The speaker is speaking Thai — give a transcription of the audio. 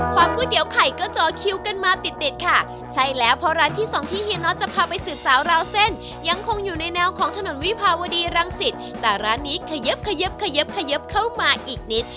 ก๋วยเตี๋ยวไข่ก็จอคิวกันมาติดเด็ดค่ะใช่แล้วเพราะร้านที่สองที่เฮียน็อตจะพาไปสืบสาวราวเส้นยังคงอยู่ในแนวของถนนวิภาวดีรังสิตแต่ร้านนี้เขยับเข้ามาอีกนิด